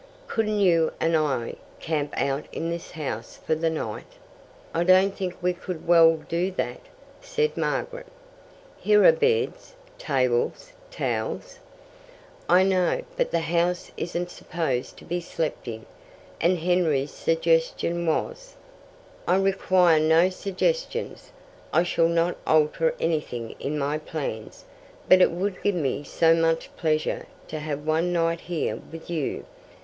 Couldn't you and I camp out in this house for the night?" "I don't think we could well do that," said Margaret. "Here are beds, tables, towels " "I know; but the house isn't supposed to be slept in, and Henry's suggestion was " "I require no suggestions. I shall not alter anything in my plans. But it would give me so much pleasure to have one night here with you.